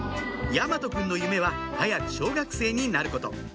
大和くんの夢は早く小学生になること